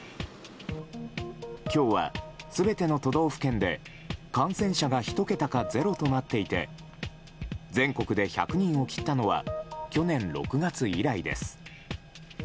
今日は、全ての都道府県で感染者が１桁かゼロとなっていて全国で１００人を切ったのは去年６月以来です。